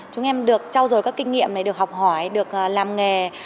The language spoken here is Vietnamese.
chúng em được trao dồi các kinh nghiệm này được học hỏi được làm nghề